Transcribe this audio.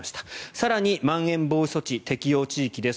更にまん延防止措置適用地域です。